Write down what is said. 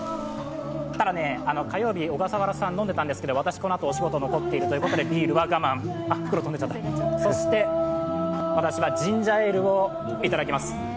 ただ火曜日、小笠原さん飲んでいたんですけど、私このあとお仕事残っているということで、ビールは我慢、そして私はジンジャエールをいただきます。